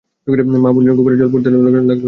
মা বুঝলেন, গোপনে জল পড়তে লাগল তাঁর চোখ দিয়ে।